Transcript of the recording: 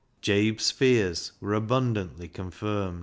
Jabe's fears were abundantly confirmed.